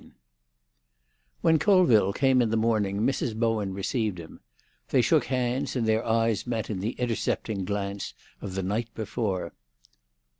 XVI When Colville came in the morning, Mrs. Bowen received him. They shook hands, and their eyes met in the intercepting glance of the night before.